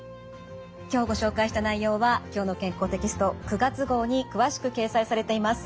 今日ご紹介した内容は「きょうの健康」テキスト９月号に詳しく掲載されています。